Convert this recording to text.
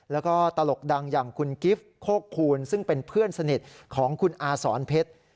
แล้วก็ตลกดังอย่างคุณกิฟต์โคกคูณซึ่งเป็นเพื่อนสนิทของคุณอาสอนเพชร